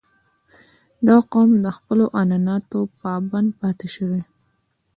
• دا قوم د خپلو عنعناتو پابند پاتې شوی.